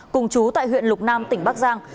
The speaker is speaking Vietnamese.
cùng chú tại huyện lục nam tỉnh bắc giang